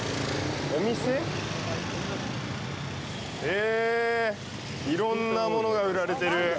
お店？え、いろんなものが売られてる。